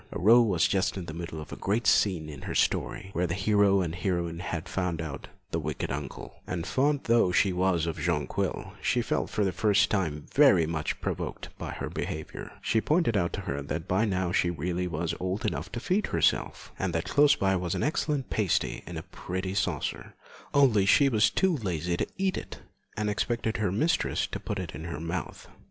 Aurore was just in the middle of the great scene in her story, where the hero and heroine had found out the wicked uncle, and fond though she was of Jonquil, she felt for the first time very much provoked by her behaviour. She pointed out to her that by now she really was old enough to feed herself, and that close by was an excellent pasty in a pretty saucer, only she was too lazy to eat it, and expected her mistress to put it in her mouth.